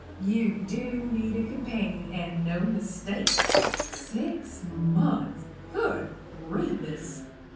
You dew need a companion, and no mistake. Six months! Good grievous!